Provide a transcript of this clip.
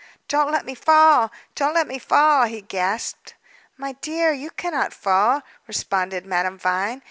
"Don't let me fall! Don't let me fall!" he gasped. "My dear, you cannot fall," responded Madame Vine.